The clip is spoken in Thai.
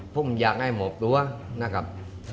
ผมอยากให้หมอบรั้วนะครับ